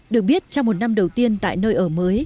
được biết trong một năm đầu tiên tại nơi ở mới